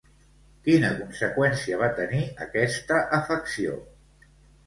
Quina conseqüència va tenir aquesta afecció?